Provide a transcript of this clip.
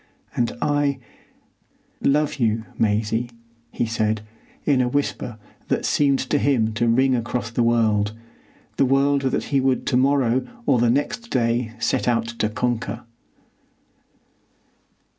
"And I—love you, Maisie," he said, in a whisper that seemed to him to ring across the world,—the world that he would to morrow or the next day set out to conquer.